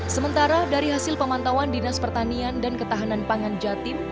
sementara dari hasil pemantauan dinas pertanian dan ketahanan pangan jatim